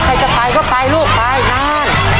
ใครจะไปก็ไปลูกไปนาน